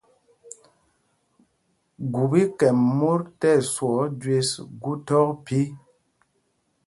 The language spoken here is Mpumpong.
Gup í kɛm mot tí ɛswɔɔ jü gu thɔk phī.